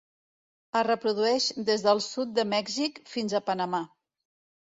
Es reprodueix des del sud de Mèxic fins a Panamà.